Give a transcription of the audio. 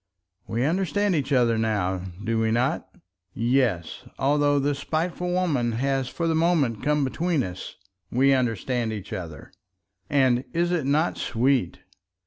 "We understand each other now, do we not? Yes; although this spiteful woman has for the moment come between us, we understand each other. And is it not sweet?